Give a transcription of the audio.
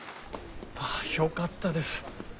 ああよかったです。